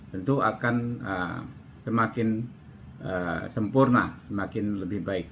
tentu akan semakin sempurna semakin lebih baik